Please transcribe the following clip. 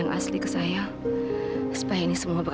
tunggu passa atau tidak anggapnya gave